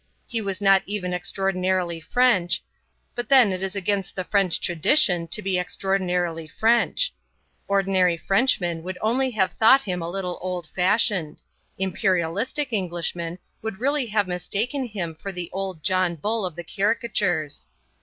He was not even extraordinarily French; but then it is against the French tradition to be extraordinarily French. Ordinary Englishmen would only have thought him a little old fashioned; imperialistic Englishmen would really have mistaken him for the old John Bull of the caricatures.